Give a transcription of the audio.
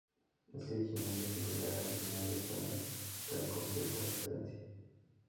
Este Digimundo es similar al Digimundo "estándar", pero con ciertas diferencia.